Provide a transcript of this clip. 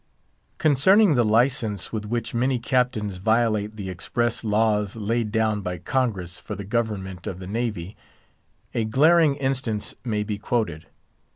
Concerning the license with which many captains violate the express laws laid down by Congress for the government of the Navy, a glaring instance may be quoted.